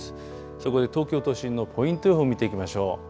そこで東京都心のポイント予報を見ていきましょう。